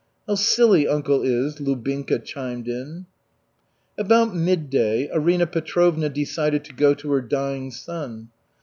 "How silly uncle is," Lubinka chimed in. About midday, Arina Petrovna decided to go to her dying son.